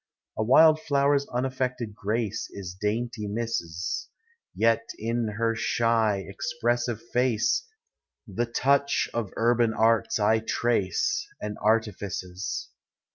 A wild flower's unaffected grace Is dainty miss's; Yet in her shy, expressive face The touch of urban arts I trace, And artifices.